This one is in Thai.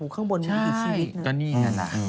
ข้างบนนึงมีอีกชีวิต